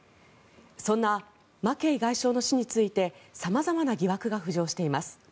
そんなマケイ外相の死について様々な疑惑が浮上しています。